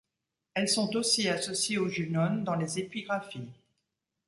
Elles sont aussi associé aux Junones dans les épigraphies.